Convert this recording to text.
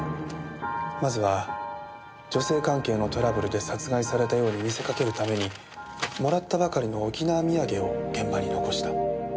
まずは女性関係のトラブルで殺害されたように見せかけるためにもらったばかりの沖縄土産を現場に残した。